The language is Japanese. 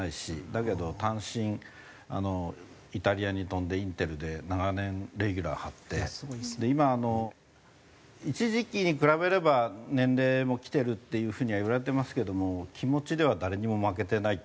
だけど単身イタリアに飛んでインテルで長年レギュラー張って。で今一時期に比べれば年齢もきてるっていうふうにはいわれてますけども気持ちでは誰にも負けてないという意味で